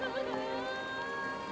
bangat jati bang